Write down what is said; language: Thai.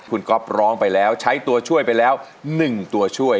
คุณก๊อฟร้องไปแล้วใช้ตัวช่วยไปแล้ว๑ตัวช่วย